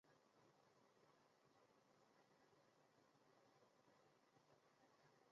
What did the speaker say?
台湾独活为伞形科当归属祁白芷的变种。